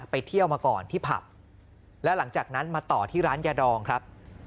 ไปเที่ยวมาก่อนที่ผับแล้วหลังจากนั้นมาต่อที่ร้านยาดองครับ